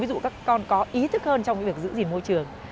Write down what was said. ví dụ các con có ý thức hơn trong cái việc giữ gìn môi trường